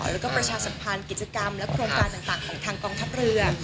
แล้วก็ประชาสัมพันธ์กิจกรรมและโครงการต่างของทางกองทัพเรือ